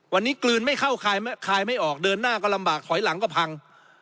วันนี้กลืนไม่เข้าคลายไม่ออกเดินหน้าก็ลำบากถอยหลังก็พัง